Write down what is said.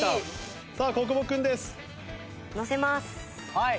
はい。